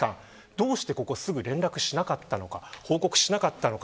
どうしてここ、すぐに連絡をしなかったのか報告しなかったのか。